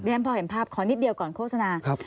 ฉันพอเห็นภาพขอนิดเดียวก่อนโฆษณา